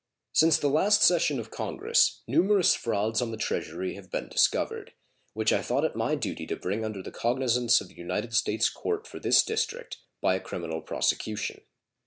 Since the last session of Congress numerous frauds on the Treasury have been discovered, which I thought it my duty to bring under the cognizance of the United States court for this district by a criminal prosecution.